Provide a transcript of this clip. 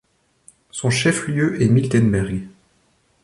Son chef lieu est Miltenberg.